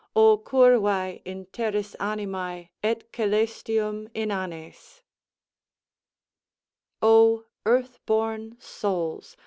O curvæ in terris animæ et colestium inanes! "O earth born souls!